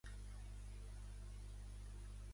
També fou campió de la Copa del Món.